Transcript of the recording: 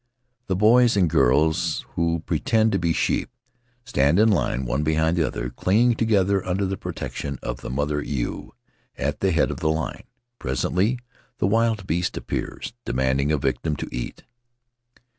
The boys and girls, who pretend to be sheep, stand in line one behind the other, clinging together under the pro tection of the mother ewe at the head of the line. Presently the wild beast appears, demanding a victim to eat.